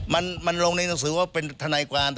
เหตุผลของเพจนั้นเป็นธนัยความ